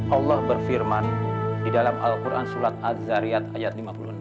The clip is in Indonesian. allah berfirman di dalam al quran surat az zariyat ayat lima puluh enam